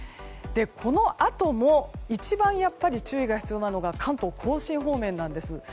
このあとも一番注意が必要なのが関東・甲信方面なんです。